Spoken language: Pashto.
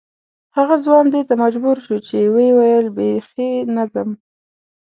هغه ځوان دې ته مجبور شو چې ویې ویل بې خي نه ځم.